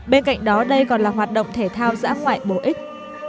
bên cạnh đó đây còn là hoạt động thể thao giã ngoại bổ ích